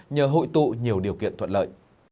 nhờ hội tụ nhiều điều kiện thuận lợi